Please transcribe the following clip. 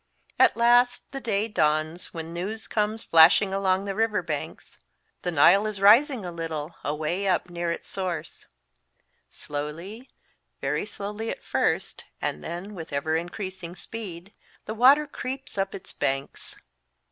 At last, the day dawns when news comes flashing along the river banks :" The Nile is rising a little, away up near its source/' Slowly very slowly at first, and then with ever increasing speed the water creeps up its banks.